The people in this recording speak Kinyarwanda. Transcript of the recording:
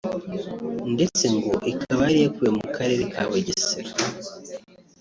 ndetse ngo ikaba yari yakuwe mu karere ka Bugesera